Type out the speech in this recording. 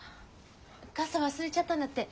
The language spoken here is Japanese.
傘忘れちゃったんだって。